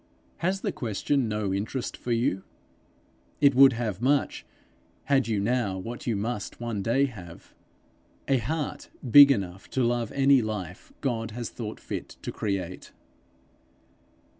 Has the question no interest for you? It would have much, had you now what you must one day have a heart big enough to love any life God has thought fit to create.